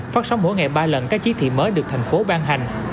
phát sóng mỗi ngày ba lần các chỉ thị mới được thành phố ban hành